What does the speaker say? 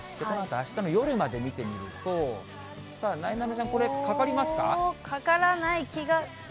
このあと、あしたの夜まで見てみると、さあ、なえなのちゃん、かからない気が。